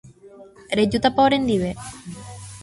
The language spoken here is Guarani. Rejútapa orendive.